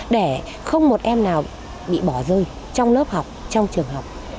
để không một em nào bị bỏ rơi trong lớp học trong trường học